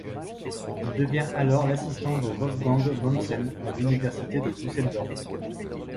Il devient alors l'assistant de Wolfgang Mommsen à l'université de Düsseldorf.